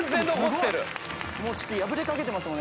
もうちょっと破れかけてますもんね